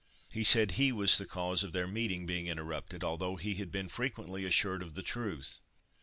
He said he was the cause of their meeting being interrupted, although he had been frequently assured of the truth.